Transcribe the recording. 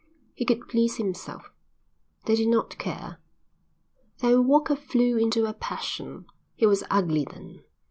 He could please himself. They did not care. Then Walker flew into a passion. He was ugly then.